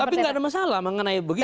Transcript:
tapi nggak ada masalah mengenai begini